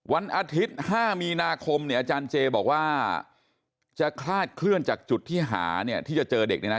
วันอาทิตย์๕มีนาคมเนี่ยอาจารย์เจบอกว่าจะคลาดเคลื่อนจากจุดที่หาเนี่ยที่จะเจอเด็กเนี่ยนะ